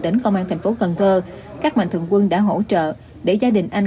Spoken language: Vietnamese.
đến công an tp cn các mạnh thượng quân đã hỗ trợ để gia đình anh